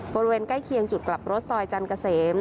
บริเวณใกล้เคียงจุดกลับรถซอยจันทร์เกษม